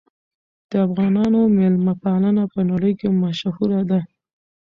د افغانانو مېلمه پالنه په نړۍ کې مشهوره ده.